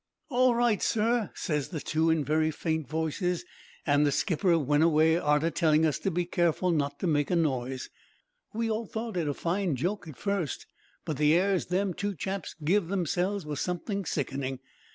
"'All right, sir,' ses the two in very faint voices, an' the skipper went away arter telling us to be careful not to make a noise. "We all thought it a fine joke at first, but the airs them two chaps give themselves was something sickening.